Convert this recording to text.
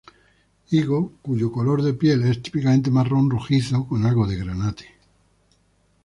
Higo cuyo color de piel es típicamente marrón rojizo con algo de granate.